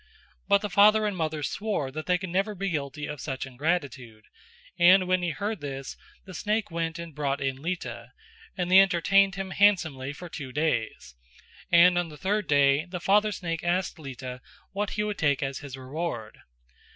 But the father and mother swore that they could not be guilty of such ingratitude, and when he heard this the snake went and brought in Lita, and they entertained him handsomely for two days; and on the third day the father snake asked Lita what he would take as his reward.